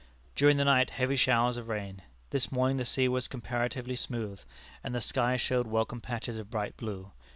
During the night heavy showers of rain. This morning the sea was comparatively smooth, and the sky showed welcome patches of bright blue.